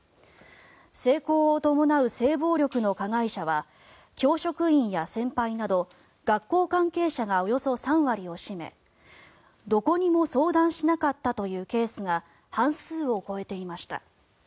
性交を伴う性暴力の加害者は教職員や先輩など学校関係者がおよそ３割を占めどこにも相談しなかったというケースが半数を超えていました。